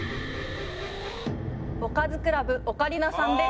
おかずクラブオカリナさんです。